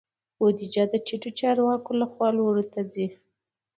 بودیجه د ټیټو چارواکو لخوا لوړو ته ځي.